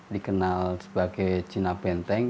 dikenal sebagai cina benteng